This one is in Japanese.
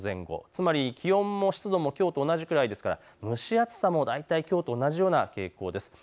つまり気温も湿度もきょうと同じくらいですが蒸し暑さも大体きょうと同じような傾向です。